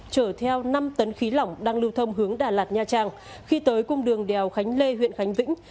chở theo năm tấn khí lỏng đang lưu thông hướng đà lạt nha trang khi tới cung đường đèo khánh lê huyện khánh vĩnh